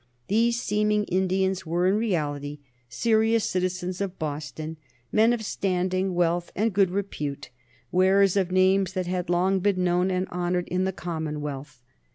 These seeming Indians were in reality serious citizens of Boston, men of standing, wealth, and good repute, wearers of names that had long been known and honored in the Commonwealth.